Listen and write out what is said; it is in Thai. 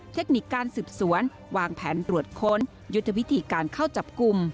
เทคนิคการสืบสวนวางแผนตรวจค้นยุทธวิธีการเข้าจับกลุ่ม